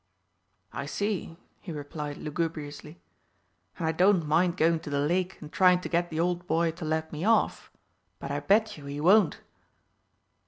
"I see," he replied lugubriously, "and I don't mind going to the Lake and trying to get the old boy to let me off but I bet you he won't."